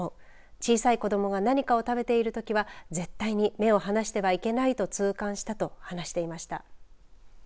小さい子どもが何かを食べているときは絶対に目を離してはいけないと痛感したと話していました。